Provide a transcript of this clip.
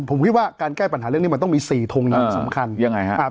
ผมคิดว่าการแก้ปัญหาเรื่องนี้มันต้องมี๔ทงอย่างสำคัญยังไงครับ